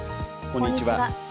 こんにちは。